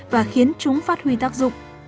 và khiến chúng phát huy tác dụng